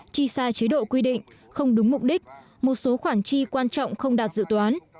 chi sai chế độ quy định không đúng mục đích một số khoản chi quan trọng không đạt dự toán